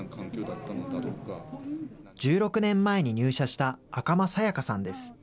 １６年前に入社した赤間早也香さんです。